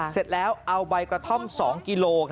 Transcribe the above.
เสร็จแล้วเอาใบกระท่อม๒กิโล